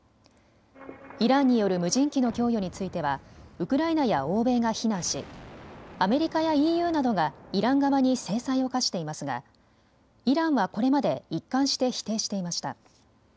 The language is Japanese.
イランによる無人機の供与についてはウクライナや欧米が非難し、アメリカやＥＵなどがイラン側に制裁を科していますがイランはこれまで一貫して否定していました。